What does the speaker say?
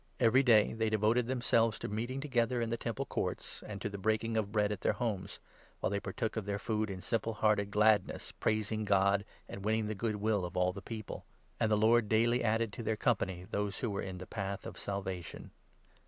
Every day they devoted themselves to meeting together in the 46 Temple Courts, and to the Breaking of Bread at their homes, while they partook of their food in simple hearted gladness, praising God, and winning the good will of all the people. 47 And the Lord daily added to their company those who were in the path of Salvation.